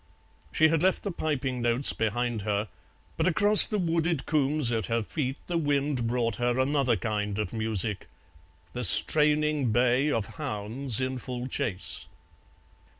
She had left the piping notes behind her, but across the wooded combes at her feet the wind brought her another kind of music, the straining bay of hounds in full chase.